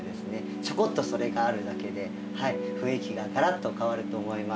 ちょこっとそれがあるだけで雰囲気がガラッと変わると思います。